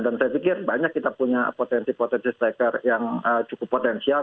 dan saya pikir banyak kita punya potensi potensi striker yang cukup potensial